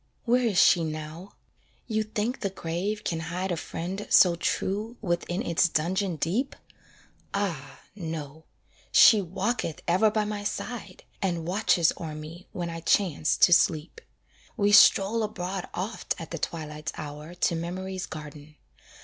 Where is she now? you think the grave can hide A friend so true within its dungeon deep? Ah! no; she walketh ever by my side, And watches o'er me when I chance to sleep. We stroll abroad oft at the twilight's hour To memory's garden.